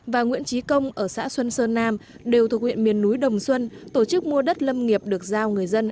và nguyễn trí công ở xã xuân sơn nam đều thuộc huyện miền núi đồng xuân tổ chức mua đất lâm nghiệp được giao người dân